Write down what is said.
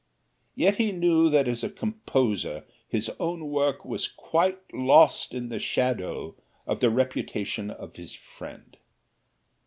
Yet he knew that as a composer his own work was quite lost in the shadow of the reputation of his friend.